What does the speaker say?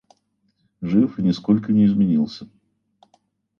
Жив и нисколько не изменился.